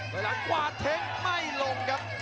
รอยล้านกวาดเท็กไม่ลงครับ